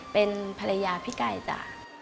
เป็นภรรยาพี่ไก่จ้ะ